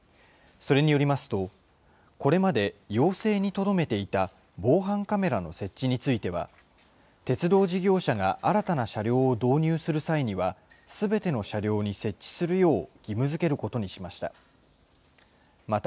それによりますと、これまで要請にとどめていた防犯カメラの設置については、鉄道事業者が新たな車両を導入する際には、すべての車両に設置するよう、義務づけることにしました。